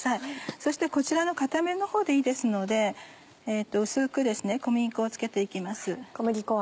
そしてこちらの片面のほうでいいですので薄く小麦粉を付けて行きます。